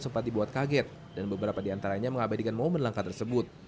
sempat dibuat kaget dan beberapa diantaranya mengabadikan momen langkah tersebut